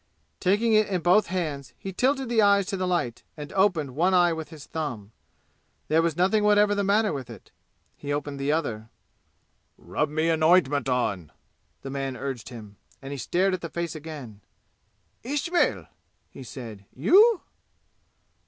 Taking it in both hands be tilted the eyes to the light and opened one eye with his thumb. There was nothing whatever the matter with it. He opened the other. "Rub me an ointment on!" the man urged him, and he stared at the face again. "Ismail!" he said. "You?"